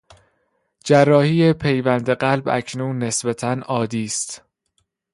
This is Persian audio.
جراحی پیوند قلب اکنون نسبتا عادی است.